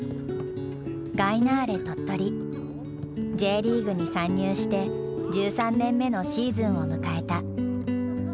Ｊリーグに参入して１３年目のシーズンを迎えた。